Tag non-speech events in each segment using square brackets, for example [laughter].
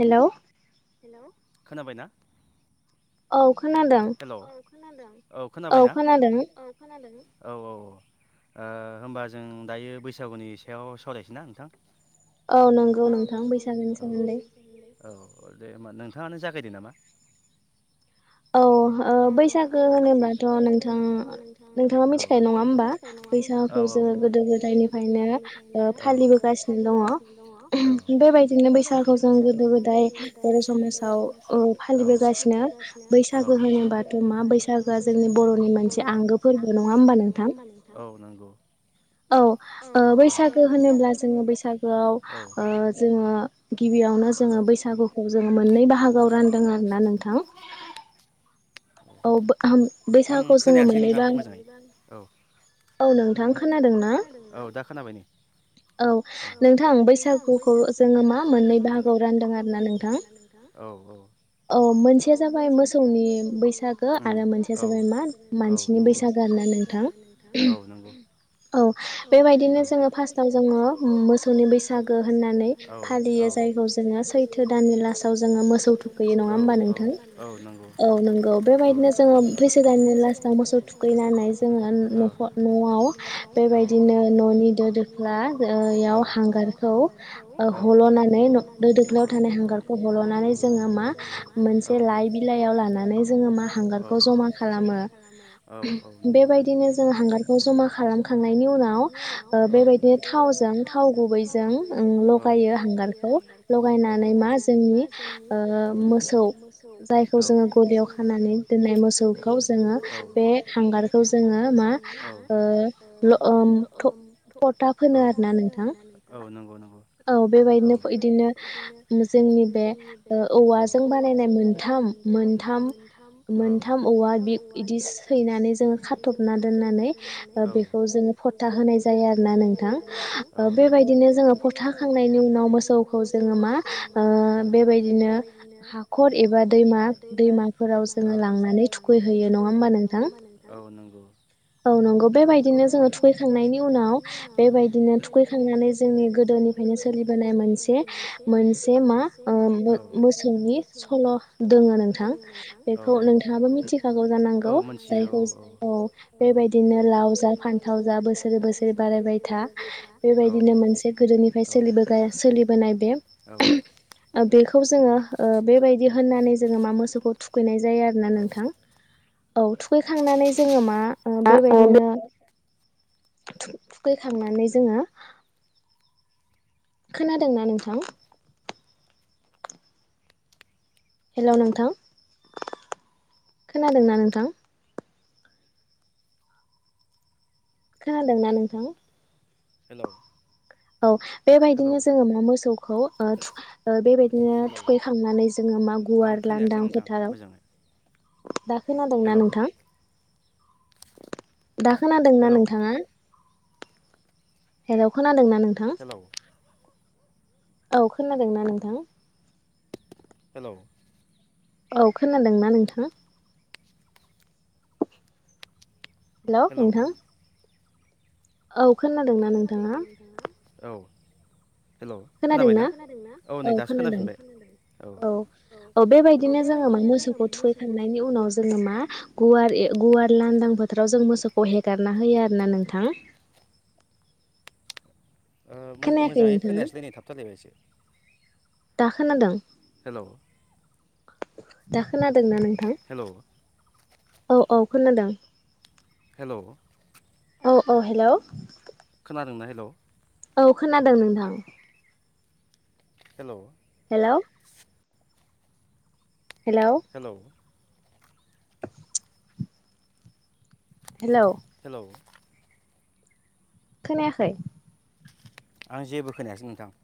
Hello हेल खोनाबायना। औ खोनादों। खोनादों। औ खोनाबायना? औ खोनादों। औ औ अ ओ होमबा जों दायो बैसागुनि सायाव सावरायनिसै ना नोंथां? औ नंगौ नोंथां औ बैसागुनि सोमोन्दै औ ओ दे होमबा नोंथाङानो जागायदो नामा? औ ओ बैसागु होनोब्लाथ' नोंथां नोंथाङा मिथिखायो नङा होमबा बैसागु जो गोदो गोदायनिफायनो ओ फालिबोगासिनो दङ बेबायदिनो बैसागुआव जों गोदो गोदाय बर' समाजाव ओ फालिबोगासिनो। सागौ होनो बैसागु होनोबाथ' मा बैसागोआ जोंनि बर'नि मोनसे आंगो फोरबो नङा होमबा नोंथां? औ नंगौ। औ ओ बैसागु होनोब्ला जोङो बैसागुआव ओ जोंङो गिबियावनो जोङो बैसागुखौ जोंङो मो मोननै बाहागोआव रानदों आरोना नोंथां। औ बो आं खोनायासै नोंथां मोजाङै [unintelligible] औ औ नोंथां खोनादों ना? औ दा खोनाबाय नै औ औ नोंथां बैसागुखौ जोंङो मा मोननै बाहागोआव रानदों आरोना नोंथां औ औ औ मोनसेया जाबाय मोसौनि। ओ‌ आरो मोनसे औ जोसोगोनना मानसिनि बैसागुआ ना नोंथां औ औ बेबायदिनो जोङो फाष्टाव जोंङो ओ मोसौनि बैसागो होननानै औ औ फालियो जायखौ जोङो सैथो दाननि लासाव जोङो मोसौ थुखैयो औ औ नङा होमबा नोंथां औ नंगौ औ बेबायदिनो जोंङो भै सिगांनि लास्टाव मोसौ थुखैनानै जोंङो न'खर न'आव बेबायदिनो न'नि दो दोख्लायाव हांगारखौ ओ हल'नानै न' दो दोख्लायाव थानाय हांगारखौ हल'नानै जोंङो मा मोनसे लाइ बिलाइयाव लानानै ज मा हांगारखो जमा खौ जमा खालामो औ औ नंगौ बेबायदिनो जों हांगारखौ जमा खालामखांनायनि उनाव औ ओ बेबायदिनो थावजों थाव गुबैजों औ लगायो हांगारखौ औ लगायनानै मा जोंनि औ ओ मोसौ औ जायखौ जों खानानै दोन्नाय मोस दोननाय मोसौखौ औ जोङो बे हांगारखौ जोङो औ मा ओ ल ओम थ औ फथा फोनो आरो ना नोंथां औ नंगौ नंगौ औ बेबायदिनो फै इदिनो ओ जोंनि बे औ औवाजों बानायनाय मोनथाम मोन मोनथाम औवा बिद इदि सैनानै जोङो खाथबना दोननानै ओ बेखौ जोङो फथा होनाय जायो आरोना नोंथां ओ बेबायदिनो जोङो फथा होखांनायनि उनाव मोसौखौ जोङो मा ओ बेबायदिनो हाखर एबा दैमा दैमा फोराव जोङो लां जोङो लांनानै थुखैहोयो नङा होमबा नोंथां? औ नंगौ। औ नंगौ बेबायदिनो जोङो थुखैखांनायनि उनाव बेबायदिनो थुखैखांनानै जोंनि गोदोनिफायनो सोलिबोनाय मोनसे मोनसे मा ओ मो मोसौनि सल' दोङो नोंथां बेखौ नोंथां थिखागौ जानांगौ जायखौ जो अ बेबायदिनो लाव जा फान्थाव जा बोसोरे बोसोर बारायबाय था बेबायदिनो मोनसे गोदोनिफाय सोलिबोगास सोलिबोनाय बे ओ बेखौ जोङो ओ बेबायदि होननानै जोङो मोसौखौ थुखैनाय जा यो आरोना नोंथां। औ थुखैखांनानै जोङो मा अ' बेबायदिनो थुखैखांनानै जोङो खोनादोंना नोंथां? हेल' नोंथां खोनादोंना नोंथां? खोनादोंना नोंथां? हेल'। औ। बेबायदिनो जोङो मा मोसौ ओ थुखैना ओ बेबायदिनो बिदिनो थुखैखांनानै जोङो गुवार लान्दां फोथाराव, दा खोनादोंना नोंथां? दा खोनादोंना नोंथाङा? हेल खोनादोंना? नोंथां। औ खोनादोंना नोंथां? हेलौ। औ खोनादोंना नोंथां? हेलौ नोंथां। औ खोनादोंना नोंथाङा? औ। खोनादों ना औ खोनादों औ औ बेबायदिनो जोङो मोसौखौ थुखैखांनायनि उनाव जोङो गुवार लान्दां फोथाराव जों मोसौखौ हगारना होयो आरो ना नोंथां। ओ मोजाङै खोनायासैलै थाबथालायबायसो। दा खोनादों? हेल'। दा खोनादों ना नों हेलौ। औ औ खोनादों। हेल'। औ औ हेल'। खोनादोंना हेल'? औ खोनादों नोंथां। हेल'। हेल'। हेल'। [unintelligible] हेल' हेल' खोनायाखै आं जेबो खोनायासै नोंथां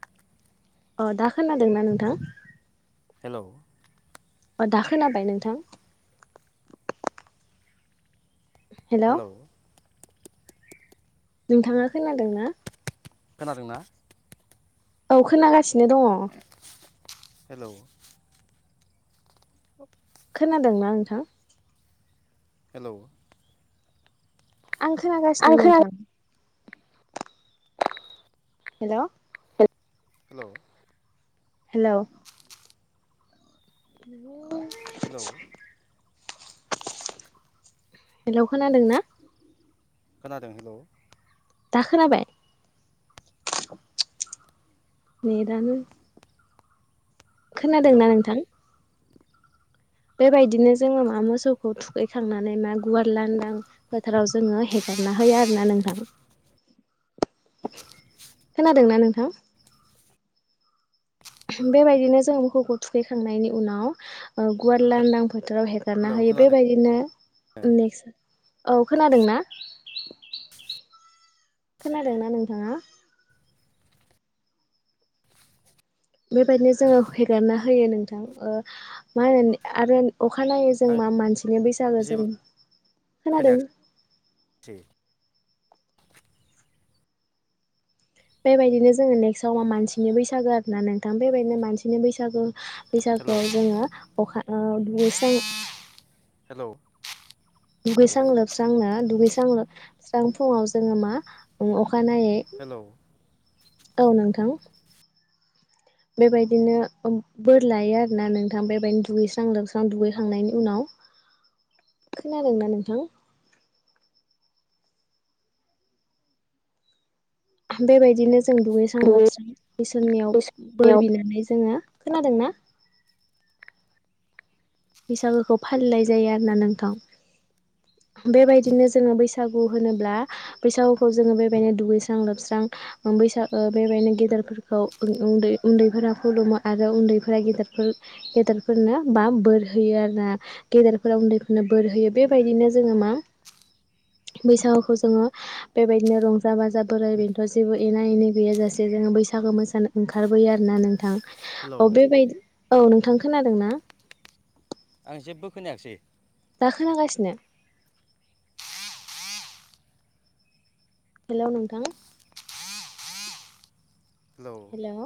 अ दा खोनादोंना नोंथां हेल' अ दा खोनाबाय नोंथां हेल' नोंथाङा खोनादोंना खोनादोंना औ खोनागासिनो दङ हेल' खोनादोंना नोंथां हेल' आं खोनागासिनो नोंथां हेल' हेल' हेल' बुं हेल' हेल' खोनादोंना खोनादों हेलौ दा खोनाबाय नेदानो खोनादोंना नोंथां बेबायदिनो जोङो मा मोसौखौ थुखैखांनानै मा गुवार लानदां फोथाराव जोङो हेगारना होयो आरो ना नोंथां खोनादोंना नोंथां बेबादिनो जोङो मोसौखौ थुखैखांनायनि उनाव गुवार लांदांफोर फोथाराव हेगारना होायो बेबायदिनो नेक्स्ट औ खोनादों ना खोनादोंना नोंथाङा बेबायदिनो जोङो हेगारना होयो नोंथां मा होनो आरो अखानायै जों मा मानसि बे बैसागो जों खोनादों बेबायदिनो जोङो नेक्स्टआव मा मानसिनि बैसागो आरोना नोंथां बेबायदिनो मानसिनि बैसागो बैसागोआव जोङो अखा ओ दुगैस्रां दुगैस्रां लोबस्रां नो दुगै जाङो स्रां फुङाव जोङो मा खा नायै औ नोंथां बेबायदिनो बोर लायो आरोना नोंथां बेबायदिनो दुगैस्रां लोबस्रां दुगैखांनायनि उनाव खोनादों ना नोंथां बेबायदिनो जों दुगैस्रां लोबस्रां इसोरनियाव बोर बिनानै जोङो खोनादों ना बैसागुखौ फालिनाय जायो आरोना नोंथां बेबायदिनो जोङो बैसागु होनोब्ला बैसागुखौ जोङो बेबायनो दुगैस्रां लोबस्रां बैसाग बेबायनो गेदेरफोरखौ उन उन उन्दै उन्दैफोरा खुलुमो आरो उन्दैफोरा गेदेरफोर गेदेरफोरनो बा बोर होयो आरोना गेदेरफोरा उन्दैफोरनो बोर होयो बेबायदिनो जोङो मा बैसागुखौ जोङो बेबायदिनो रंजा बाजा बोराय बेनोथ' जेबो एना एनि गैयाजासे जोङो बैसागो मोसानो ओंखारबोयो आरोना नोंथां औ बेबायदि औ नोंथां खोनादों ना आं जेबो खोनायाखिसै दा खोनागासिनो हेलौ नोंथां हेलौ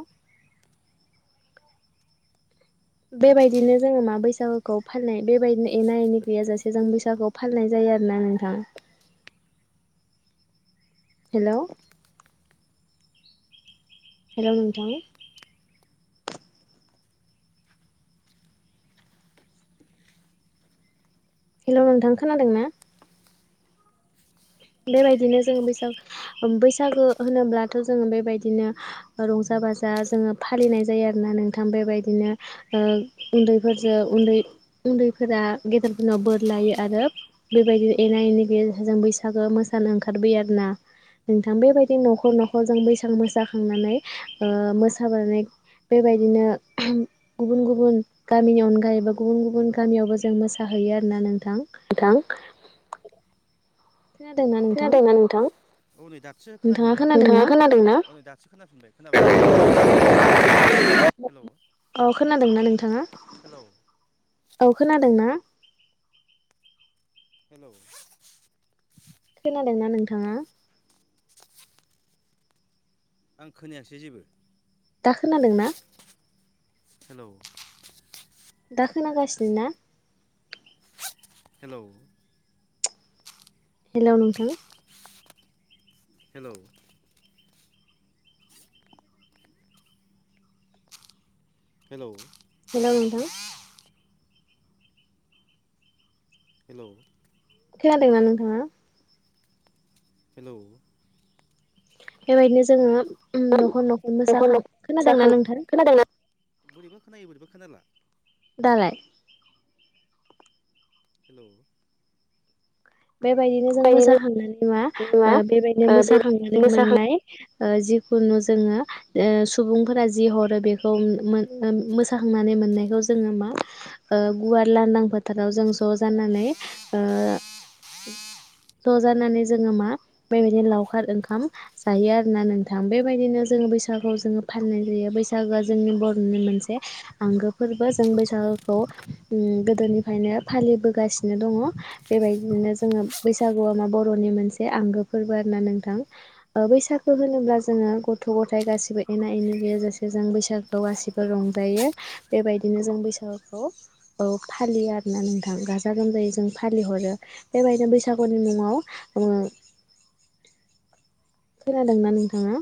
बेबायदिनो जोङो मा बैसागुखौ फालिनाय बेबायदिनो एना एनि गैयाजासे जों बैसागुखौ फालिनाय जायो आरोना नोंथां हेलौ हेलौ नोंथां हेल' नोंथां खोनादों ना बेबायदिनो जोङो बैसागु बैसागो होनोब्लाथ' जोङो बेबायदिनो रंजा बाजा जोङो फालिनाय जायो आरोना नोंथां बेबायदिनो ओ उन्दैफोरजों उन्दै उन्दैफोरा गेदेरफोरनाव बोर लायो आरो बेबायदिनो एना एनि गैया जों बैसाग सागो मोसानो ओंखारबोयो आरोना नोंथां बेबायदिनो न'खर न'खर जों बैसां मोसाखांनानै ओ मोसाबारनाय बेबायदिनो गुबुन गुबुन गामिनि अनगायैबो गुबुन गुबुन गामियावबो जों मोसाहैयो आरोना नोंथां थां खोनादोंना नोंथां नोंथाङा खोनादों ना [inaudible] अ खोनादोंना नोंथाङा हेलौ औ खोनादों ना हेलौ खोनादोंना नोंथाङा आं खोनायासै जेबो दा खोनादों ना हेलौ दा खोनागासिनो ना हेलौ हेलौ नोंथां हेलौ हेलौ हेलौ नोंथां हेलौ खोनादोंना नोंथाङा हेलौ बेबायदिनो जोङो ओ न'खर न'खर मोसाखां खोनादोंना नोंथां बोरैबा खोनायो बोरैबा खोनाला दालाय हेलौ बेबायदिनो जों मोसाखांनानै मा बेबायदिनो मोसाखांनानै मोननाय जिखुनु जोङो ओ सुबुंफोरा जि हरो बेखौ मोसाखांनानै मोननायखौ जोङो मा ओ गुवार लांदां फोथाराव जों ज' जानानै ओ र'जानानै जोङो मा बेबायदिनो लावखार ओंखाम जायो आरोना नोंथां बेबायदिनो जोङो बैसागुखौ जोङो फालिनाय जायो बैसागोआ जोंनि बर'नि मोनसे आंगो फोरबो जों बैसागोखौ गोदोनिफ्रायनो फालिबोगासिनो दङ बेबायदि बिदिनो जोङो बैसागुआ मा बर'नि मोनसे आंगो फोरबो आरो ना नोंथां बैसागो होनोब्ला जोङो गथ' गथायाइ गासिबो एना एनि गैयजासे जों बैसागोखौ गासिबो रंजायो बेबायदिनो जों बैसागुखौ फालियो आरोोना नोंथां गाजा गोमजायै जों फालिहरो। बेबायदिनो बैसागुनि मुङाव खोनादोंना नोंथाङा?